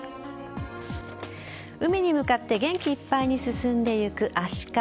海に向かって元気いっぱいに進んでいくアシカ。